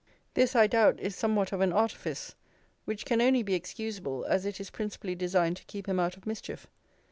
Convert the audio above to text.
This, I doubt, is somewhat of an artifice; which can only be excusable, as it is principally designed to keep him out of mischief.